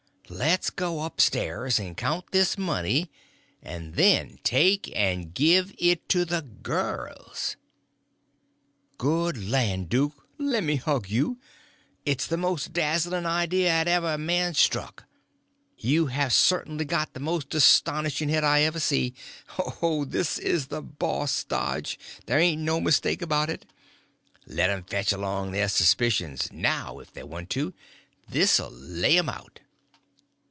Le's go up stairs and count this money, and then take and give it to the girls." "Good land, duke, lemme hug you! It's the most dazzling idea 'at ever a man struck. You have cert'nly got the most astonishin' head I ever see. Oh, this is the boss dodge, ther' ain't no mistake 'bout it. Let 'em fetch along their suspicions now if they want to—this 'll lay 'em out."